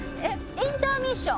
『インターミッション』。